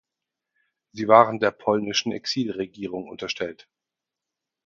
Sie waren der polnischen Exilregierung unterstellt.